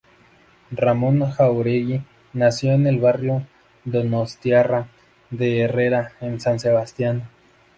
Ramón Jáuregui nació en el barrio donostiarra de Herrera en San Sebastián.